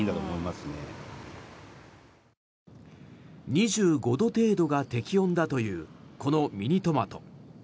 ２５度程度が適温だというこのミニトマト。